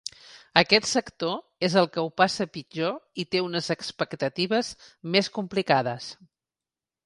Aquest sector és el que ho passa pitjor i té unes expectatives més complicades.